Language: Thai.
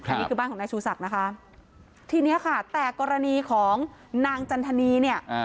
อันนี้คือบ้านของนายชูศักดิ์นะคะทีเนี้ยค่ะแต่กรณีของนางจันทนีเนี่ย